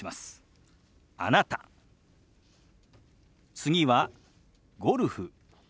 次は「ゴルフ」。